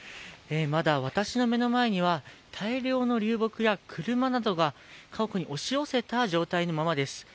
まだ私の目の前には大量の流木や車などが家屋に押し寄せた状態のままです。